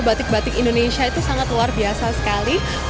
batik batik indonesia itu sangat luar biasa sekali